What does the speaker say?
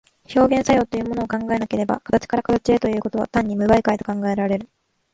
表現作用というものを考えなければ、形から形へということは単に無媒介と考えられる。